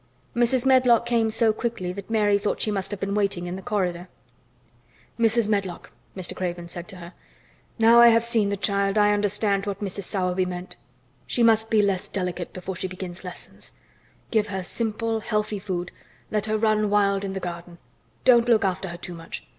Mrs. Medlock came so quickly that Mary thought she must have been waiting in the corridor. "Mrs. Medlock," Mr. Craven said to her, "now I have seen the child I understand what Mrs. Sowerby meant. She must be less delicate before she begins lessons. Give her simple, healthy food. Let her run wild in the garden. Don't look after her too much.